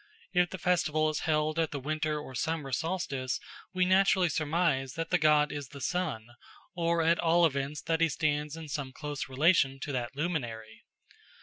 If the festival is held at the winter or summer solstice, we naturally surmise that the god is the sun, or at all events that he stands in some close relation to that luminary.